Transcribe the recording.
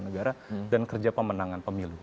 negara dan kerja pemenangan pemilu